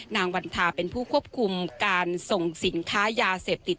นางวันทาเป็นผู้ควบคุมการส่งสินค้ายาเสพติด